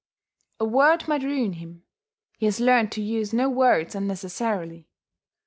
A word might ruin him: he has learned to use no words unnecessarily.